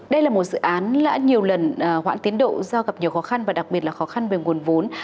đây là một dự án đã nhiều lần hoãn tiến độ do gặp nhiều khó khăn và đặc biệt là khó khăn về nguồn vốn